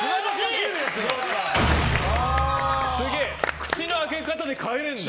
口の開け方で変えられるんだ。